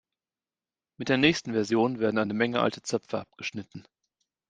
Mit der nächsten Version werden eine Menge alte Zöpfe abgeschnitten.